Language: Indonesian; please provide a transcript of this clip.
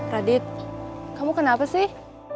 radit kamu kenapa sih